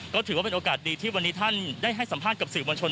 ก็ถือว่าเป็นโอกาสดีที่วันนี้ท่านได้ให้สัมภาษณ์กับสื่อมวลชน